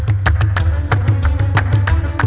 eh bantuin gue ke wc